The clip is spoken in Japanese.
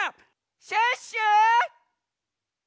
シュッシュ！